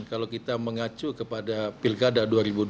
kalau kita mengacu kepada pilkada dua ribu dua puluh